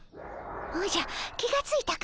おじゃ気がついたかの。